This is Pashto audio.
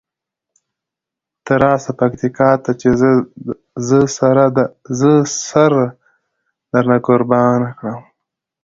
ته راسه پکتیکا ته چې زه سره درنه قربانه کړم.